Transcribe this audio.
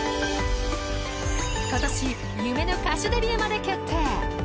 今年夢の歌手デビューまで決定。